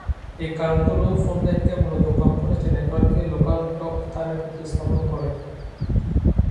এই কারণগুলি ফোননেটকে মূলত কম খরচে নেটওয়ার্কে লোকালটক তারের প্রতিস্থাপন করে।